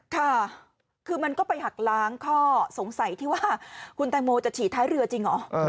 ค่ะคือมันก็ไปหักล้างข้อสงสัยที่ว่าคุณแตงโมจะฉี่ท้ายเรือจริงเหรอ